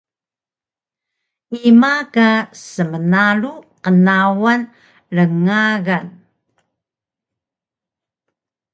Ima ka smnalu qnawal rngagan?